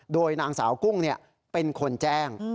โดยนางสาวกุ้งเป็นคนแจ้ง